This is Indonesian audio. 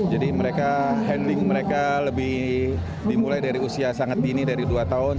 jadi mereka handling mereka lebih dimulai dari usia sangat dini dari dua tahun